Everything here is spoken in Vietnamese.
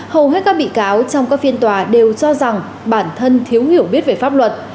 hầu hết các bị cáo trong các phiên tòa đều cho rằng bản thân thiếu hiểu biết về pháp luật